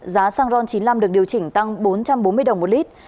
giá xăng ron chín mươi năm được điều chỉnh tăng bốn trăm bốn mươi đồng một lít